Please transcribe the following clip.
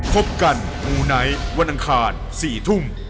พบกันมูไนท์วันอังคาร๔ทุ่ม